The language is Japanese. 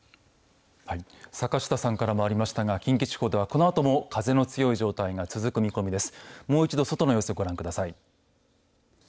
坂下さんからもありましたが近畿地方では、このあとも風の強い状態が続く見込みです。